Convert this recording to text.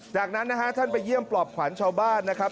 จากนั้นนะฮะท่านไปเยี่ยมปลอบขวัญชาวบ้านนะครับ